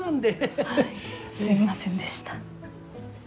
はいすいませんでした。